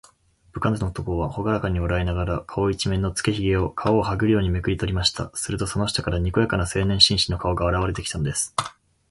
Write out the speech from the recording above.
部下の男は、ほがらかに笑いながら、顔いちめんのつけひげを、皮をはぐようにめくりとりました。すると、その下から、にこやかな青年紳士の顔があらわれてきたのです。